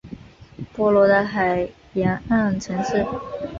波罗的海沿岸城市。